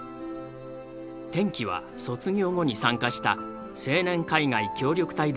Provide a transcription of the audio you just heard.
転機は卒業後に参加した青年海外協力隊での経験。